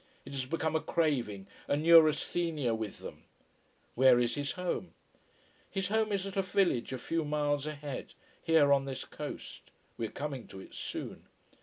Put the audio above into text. It has become a craving, a neurasthenia with them. Where is his home? His home is at a village a few miles ahead here on this coast. We are coming to it soon.